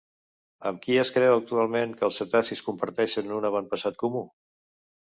Amb qui es creu actualment que els cetacis comparteixen un avantpassat comú?